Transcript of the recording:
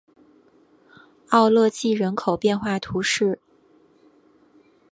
奥勒济人口变化图示